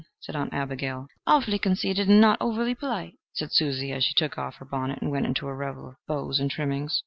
said Aunt Abigail. "Awful conceited and not overly polite," said Susie as she took off her bonnet and went into a revel of bows and trimmings.